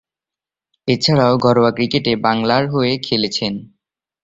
এছাড়াও, ঘরোয়া ক্রিকেটে বাংলার হয়ে খেলছেন।